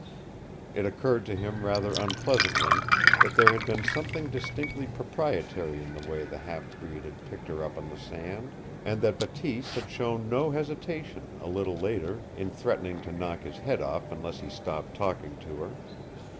It occurred to him rather unpleasantly that there had been something distinctly proprietary in the way the half breed had picked her up on the sand, and that Bateese had shown no hesitation a little later in threatening to knock his head off unless he stopped talking to her.